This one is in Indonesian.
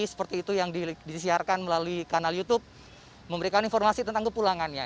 seperti itu yang disiarkan melalui kanal youtube memberikan informasi tentang kepulangannya